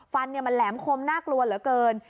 ฟันมันแหลมคมน่ากลัวเหลือเกิน